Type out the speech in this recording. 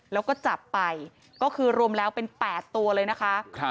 แล้วก็จับไปก็คือรวมแล้วเป็น๘ตัวเลยนะคะ